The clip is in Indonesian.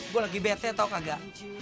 gue lagi bete tau gak